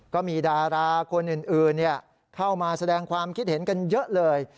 ก็มีดาราคนอื่นเข้ามาแสดงความคิดเห็นกันเยอะเลย